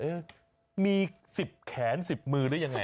เออมี๑๐แขน๑๐มือหรือยังไง